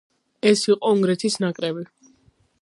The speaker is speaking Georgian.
ეს იყო უნგრეთის ნაკრები.